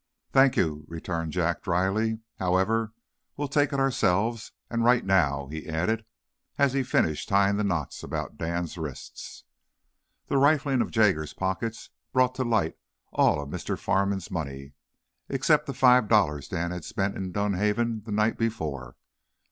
"Thank you," returned Jack, dryly. "However, we'll take it ourselves and right now," he added, as he finished tying the knots about Dan's wrists. The rifling of Jaggers's pockets brought to light all of Mr. Farnum's money except the five dollars Dan had spent in Dunhaven the night before.